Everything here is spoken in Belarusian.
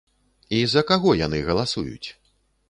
І за каго яны галасуюць?